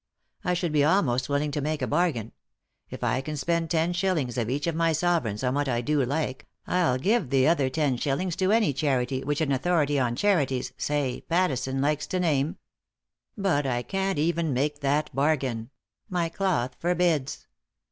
I should be almost willing to make a bargain — if I can spend ten shillings of each of my sovereigns on what I do like III give the other ten shillings to any charity which an authority on charities, say Pattison, likes to name. But I can't even make that bargain ; my cloth forbids.